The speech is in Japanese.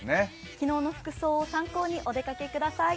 昨日の服装を参考にお出かけください。